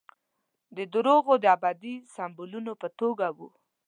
د درواغو د ابدي سمبولونو په توګه وو.